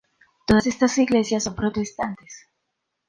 Todas estas iglesias son protestantes.